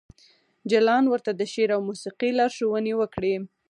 جلان ورته د شعر او موسیقۍ لارښوونې وکړې